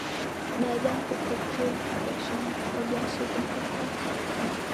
Baada ya kupokewa kwa shangwe kabla ya sherehe ya Pasaka